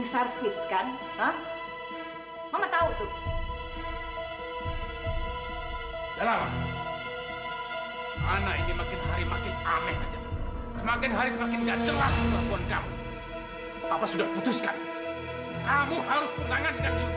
saya yang bapaknya kok kamu yang nyolot